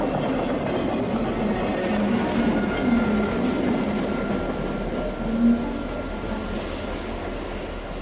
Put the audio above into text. ფილიპის მესამე ქორწინებიდან მალევე მან მიმდინარე მოვლენები გააპროტესტა და დანიიდან კვლავ საფრანგეთში დაბრუნდა.